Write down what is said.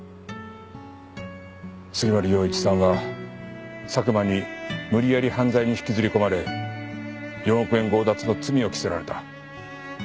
杉森陽一さんは佐久間に無理やり犯罪に引きずり込まれ４億円強奪の罪を着せられた。